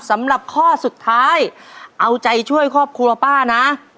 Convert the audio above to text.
สำหรับข้อสุดท้ายเอาใจช่วยครอบครัวป้านะ